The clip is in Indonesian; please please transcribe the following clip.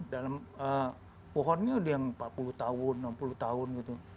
dalam pohonnya udah yang empat puluh tahun enam puluh tahun gitu